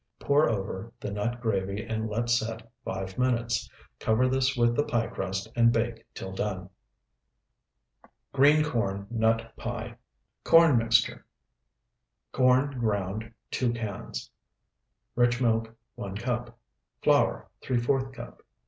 Pour over the nut gravy and let set five minutes. Cover this with the pie crust and bake till done. GREEN CORN NUT PIE Corn mixture. Corn ground, 2 cans. Rich milk, 1 cup. Flour, ¾ cup.